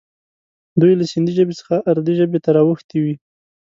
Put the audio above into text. دوی له سیندي ژبې څخه اردي ژبې ته را اوښتي وي.